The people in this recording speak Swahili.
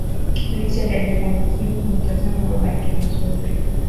richard alifanikiwa kumtazama baba yake vizuri